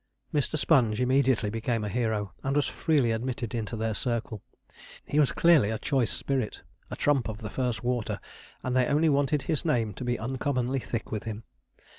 Mr. Sponge immediately became a hero, and was freely admitted into their circle. He was clearly a choice spirit a trump of the first water and they only wanted his name to be uncommonly thick with him.